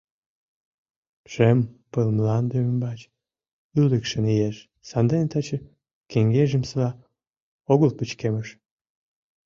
Шем пыл мланде ӱмбач ӱлыкшын иеш, сандене таче кеҥежымсыла огыл пычкемыш.